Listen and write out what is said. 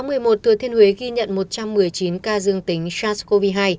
ngày hai mươi một một mươi một thừa thiên huế ghi nhận một trăm một mươi chín ca dương tính sars cov hai